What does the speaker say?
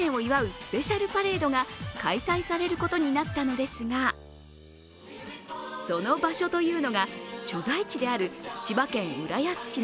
スペシャルパレードが開催されることになったのですが、その場所というのが所在地である千葉県浦安市の